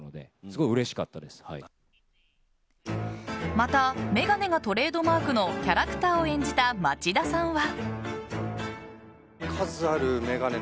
また、眼鏡がトレードマークのキャラクターを演じた町田さんは。